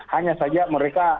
hanya saja mereka